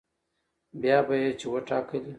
بيا به يې چې وټاکلې